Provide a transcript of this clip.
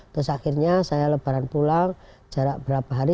terus akhirnya saya lebaran pulang jarak berapa hari